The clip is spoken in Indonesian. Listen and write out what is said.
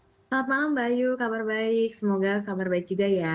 selamat malam mbak ayu kabar baik semoga kabar baik juga ya